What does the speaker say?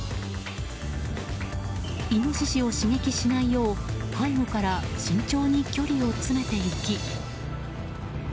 イノシシを刺激しないよう背後から慎重に距離を詰めていき。